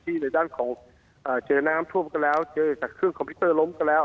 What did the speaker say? ในด้านของเจอน้ำท่วมก็แล้วเจอจากเครื่องคอมพิวเตอร์ล้มก็แล้ว